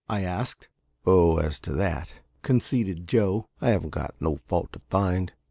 I asked. "Oh, as to that," conceded Joe, "I haven't got no fault to find.